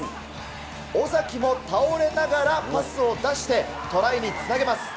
尾崎も倒れながらパスを出して、トライにつなげます。